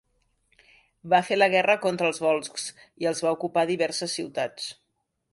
Va fer la guerra contra els volscs i els va ocupar diverses ciutats.